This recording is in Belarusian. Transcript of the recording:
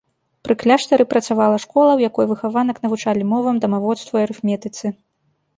Пры кляштары працавала школа, у якой выхаванак навучалі мовам, дамаводству і арыфметыцы.